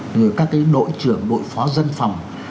rồi các cái nội trưởng đội phó dân phòng